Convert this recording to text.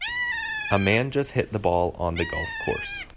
A man just hit the ball on the golf course.